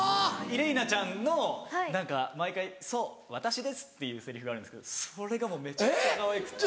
イレイナちゃんの毎回「そう私です」っていうセリフがあるんですけどそれがもうめちゃくちゃかわいくて。